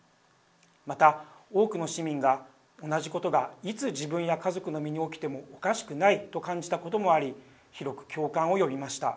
また、多くの市民が同じことがいつ自分や家族の身に起きてもおかしくないと感じたこともあり広く共感を呼びました。